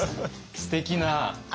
すてきな。